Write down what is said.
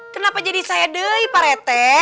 kenapa jadi saya dey pak rete